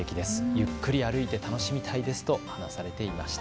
ゆっくり歩いて楽しみたいですと話されていました。